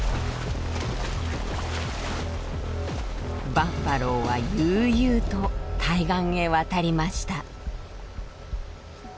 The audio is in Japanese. バッファローは悠々と対岸へ渡りました。